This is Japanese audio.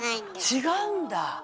違うんだ？